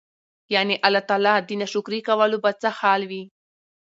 يعني الله تعالی د ناشکري کولو به څه حال وي؟!!.